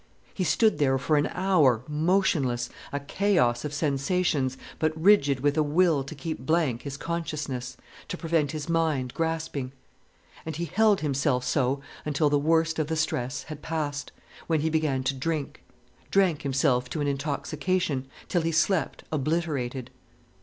He stood there for an hour motionless, a chaos of sensations, but rigid with a will to keep blank his consciousness, to prevent his mind grasping. And he held himself so until the worst of the stress had passed, when he began to drink, drank himself to an intoxication, till he slept obliterated.